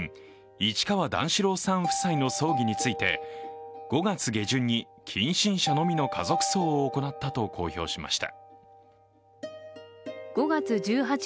市川段四郎さん夫妻の葬儀について５月下旬に近親者のみの家族葬を行ったと公表しました。